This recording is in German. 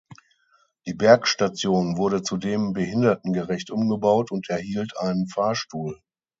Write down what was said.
Die Bergstation wurde zudem behindertengerecht umgebaut und erhielt einen Fahrstuhl.